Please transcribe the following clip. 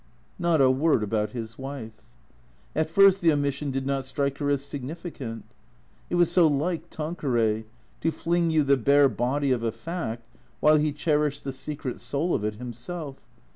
Not a word about his wife. At first the omission did not strike her as significant. It was so like Tanqueray, to fling you the bare body of a fact while he cherished the secret soul of it himself.